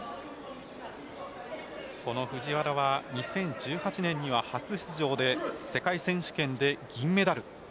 この藤原は２０１８年には初出場で世界選手権で銀メダル。